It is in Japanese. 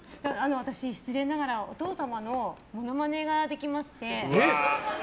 私、失礼しながらお父様のものまねができまして。